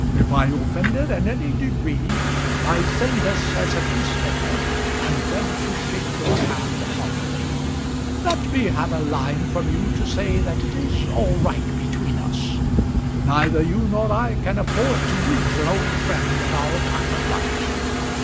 If I offended in any degree, I send this as a peacemaker, and beg to shake your hand heartily. Let me have a line from you to say that it is all right between us. Neither you nor I can afford to lose an old friend at our time of life.